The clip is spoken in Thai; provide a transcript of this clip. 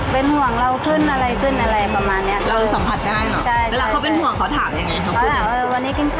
เป็นหวังว่าเราขึ้นอะไรขึ้นอะไรนี่